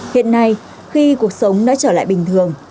hiện nay khi cuộc sống đã trở lại bình thường